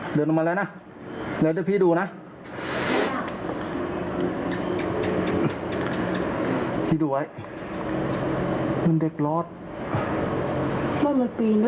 เหมือนนั่งอยู่บนราวอ่ะครับ